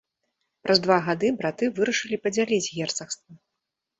Праз два гады браты вырашылі падзяліць герцагства.